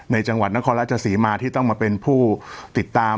จังหวัดนครราชศรีมาที่ต้องมาเป็นผู้ติดตาม